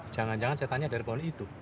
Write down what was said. jangan jangan setannya dari panglima itu